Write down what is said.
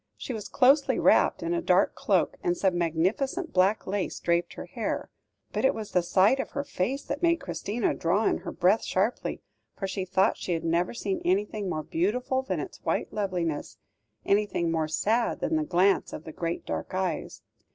She was closely wrapped in a dark cloak, and some magnificent black lace draped her hair. But it was the sight of her face that made Christina draw in her breath sharply, for she thought she had never seen anything more beautiful than its white loveliness, anything more sad than the glance of the great dark eyes.